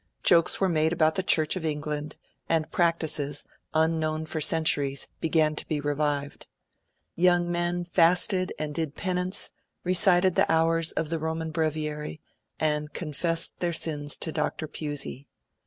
Jokes were made about the Church of England, and practices, unknown for centuries, began to be revived. Young men fasted and did penance, recited the hours of the Roman Breviary, and confessed their sins to Dr. Pusey.